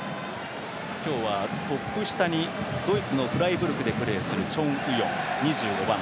今日はトップ下にドイツのフライブルクでプレーするチョン・ウヨン、２５番。